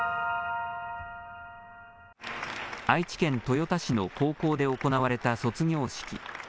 愛知県豊田市の高校で行われた卒業式。